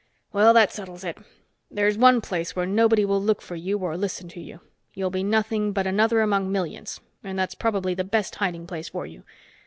Well, that settles it. There's one place where nobody will look for you or listen to you. You'll be nothing but another among millions, and that's probably the best hiding place for you.